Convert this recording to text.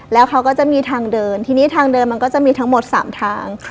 แล้วเขาก็จะมีทางเดินทีนี้ทางเดินมันก็จะมีทั้งหมด๓ทาง